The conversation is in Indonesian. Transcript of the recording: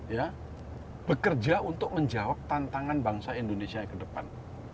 ya bekerja untuk menjawab tantangan bangsa indonesia yang kedepan